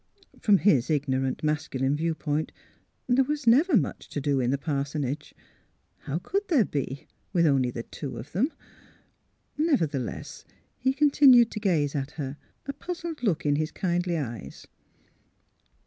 From his ignorant masculine viewpoint there never was much to do in the parsonage. How could there be, with only the two of themf Nev ertheless, he continued to gaze at her, a puzzled look in his kindly eyes?